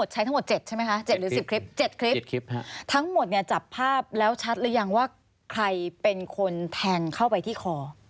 ชัดหรือยังว่าใครเป็นคนแทงเข้าไปที่คอ